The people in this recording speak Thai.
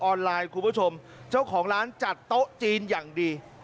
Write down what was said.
ไลน์คุณผู้ชมเจ้าของร้านจัดโต๊ะจีนอย่างดี